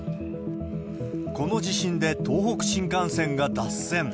この地震で東北新幹線が脱線。